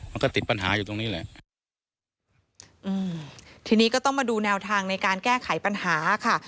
มันก็ติดปัญหาอยู่ตรงนี้แหละอืมทีนี้ก็ต้องมาดูแนวทางในการแก้ไขปัญหาค่ะ